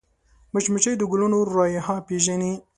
مچمچۍ د ګلونو رایحه پېژني